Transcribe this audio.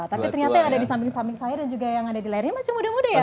tapi ternyata yang ada di samping samping saya dan juga yang ada di layar ini masih muda muda ya